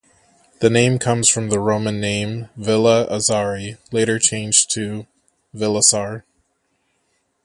The name comes from the Roman name "Villa Azari", later changed to "Vilassar".